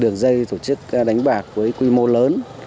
đường dây tổ chức đánh bạc với quy mô lớn